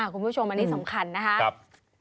คุณผู้ชมอันนี้สำคัญนะครับ